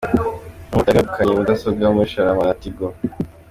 Umumotari niwe wegukanye mudasobwa muri Sharama na Tigo